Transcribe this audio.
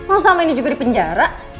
aku selama ini juga di penjara